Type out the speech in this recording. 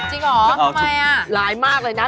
จริงเหรอทำไมอ่ะร้ายมากเลยนะ